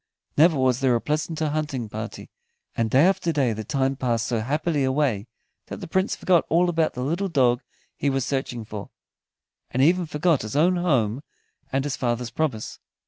Never was there a pleasanter hunting party, and day after day the time passed so happily away that the Prince forgot all about the little dog he was searching for, and even forgot his own home and his father's promise.